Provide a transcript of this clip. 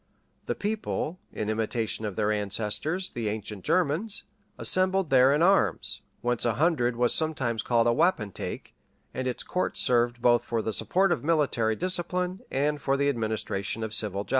The people, in imitation of their ancestors, the ancient Germans, assembled there in arms; whence a hundred was sometimes called a wapentake, and its courts served both for the support of military discipline and for the administration of civil justice.